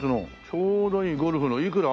ちょうどいいゴルフのいくら？